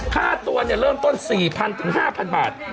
ค่าตัวเริ่มสร้างต้น๔๐๐๐๕๐๐๐บาท